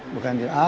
bukan diri dia